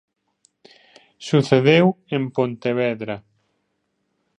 Sucedeu en Pontevedra.